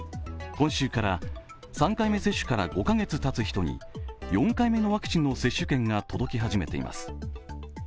今週から３回目接種から５カ月たつ人に４回目のワクチンの接種券が届き始めています。